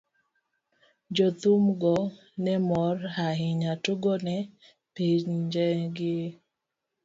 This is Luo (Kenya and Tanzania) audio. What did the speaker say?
jothumgo ne mor ahinya tugo ne pinjegi.